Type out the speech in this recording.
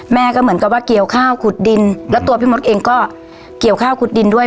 ก็เหมือนกับว่าเกี่ยวข้าวขุดดินแล้วตัวพี่มดเองก็เกี่ยวข้าวขุดดินด้วย